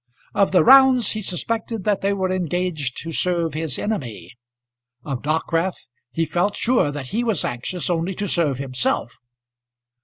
Of the Rounds he suspected that they were engaged to serve his enemy, of Dockwrath he felt sure that he was anxious only to serve himself.